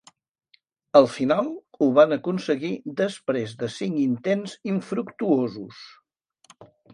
Al final, ho van aconseguir després de cinc intents infructuosos